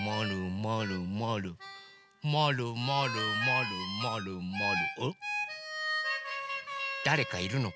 まるまるまるまるまるまるまる。